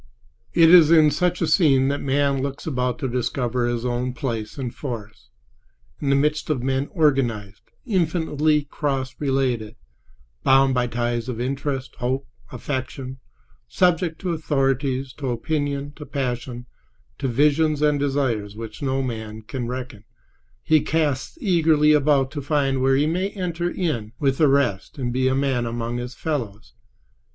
It is in such a scene that man looks about to discover his own place and force. In the midst of men organized, infinitely cross related, bound by ties of interest, hope, affection, subject to authorities, to opinion, to passion, to visions and desires which no man can reckon, he casts eagerly about to find where he may enter in with the rest and be a man among his fellows.